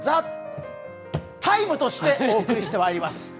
「ＴＨＥＴＩＭＥ，」としてお送りしてまいります。